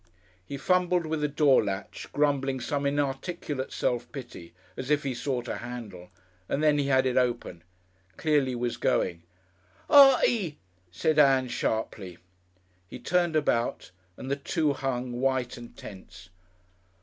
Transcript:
He fumbled with the door latch, grumbling some inarticulate self pity, as if he sought a handle, and then he had it open. Clearly he was going. "Artie!" said Ann, sharply. He turned about and the two hung, white and tense.